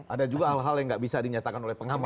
ada juga hal hal yang nggak bisa dinyatakan oleh pengamat